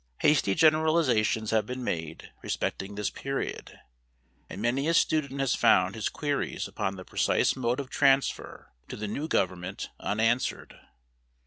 Hasty generalizations have been made respecting this period; and many a student has found his queries upon the precise mode of transfer to the new government unanswered.